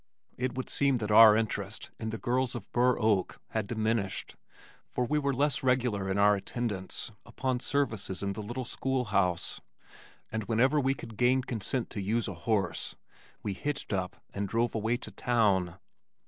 It would seem that our interest in the girls of Burr Oak had diminished, for we were less regular in our attendance upon services in the little school house, and whenever we could gain consent to use a horse, we hitched up and drove away to town.